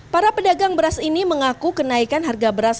para pedagang beras ini mengaku kenaikan harga beras